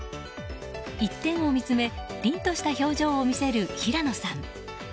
一点を見つめ凛とした表情を見せる平野さん。